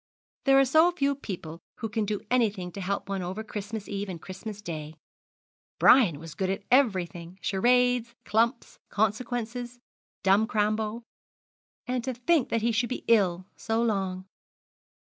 There are so few people who can do anything to help one over Christmas Eve and Christmas Day. Brian was good at everything charades, clumps, consequences, dumb crambo. And to think that he should be ill so long!